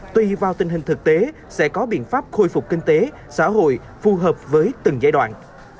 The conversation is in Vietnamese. tùy vào tình hình thực tế sẽ có biện pháp khôi phục kinh tế xã hội phù hợp với từng giai đoạn